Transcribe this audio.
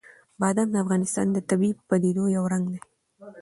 بادام د افغانستان د طبیعي پدیدو یو رنګ دی.